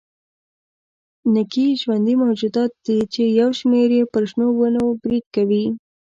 نکي ژوندي موجودات دي چې یو شمېر یې پر شنو ونو برید کوي.